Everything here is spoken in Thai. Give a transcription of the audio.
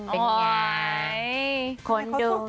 เป็นอย่างไร